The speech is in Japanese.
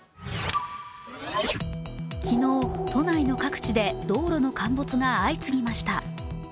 昨日、都内の各地で道路の陥没が相次ぎました。